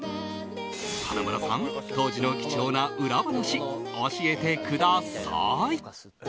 花村さん、当時の貴重な裏話教えてください！